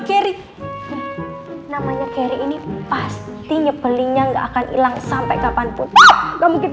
geri namanya geri ini pasti nyebelinnya nggak akan hilang sampai kapanpun kamu